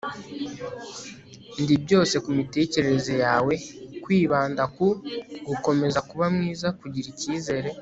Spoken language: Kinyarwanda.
ndi byose ku mitekerereze yawe, kwibanda ku, gukomeza kuba mwiza, kugira icyizere